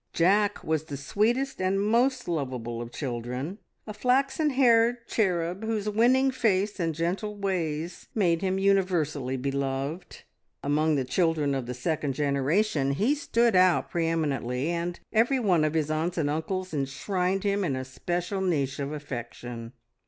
Jack was the sweetest and most lovable of children a flaxen haired cherub, whose winning face and gentle ways made him universally beloved. Among the children of the second generation he stood out pre eminently, and every one of his aunts and uncles enshrined him in a special niche of affection.